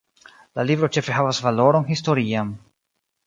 La libro ĉefe havas valoron historian.